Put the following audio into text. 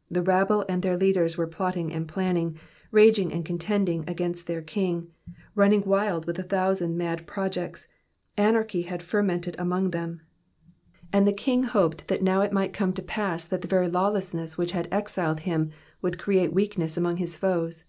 ''\ The rabble and their leaders were plotting and planning, raging and contending against their king, running wild with a thousand mad projects : anarchy had fermented among them, and the king hoped that now It might come to pass that the very lawlessness which had exiled him would create weakness among his foes.